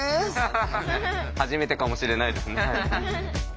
初めてかもしれないです。